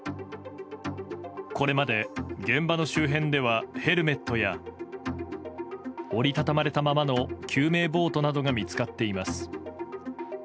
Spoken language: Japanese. これまで現場の周辺ではヘルメットや折り畳まれたままの救命ボートなどが見つかっています。